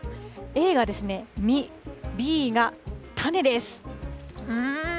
Ａが実、Ｂが種です。